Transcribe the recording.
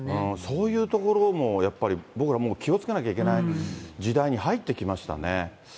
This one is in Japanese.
そういうところもやっぱり僕ら、気をつけなきゃいけない時代に入ってきましたね。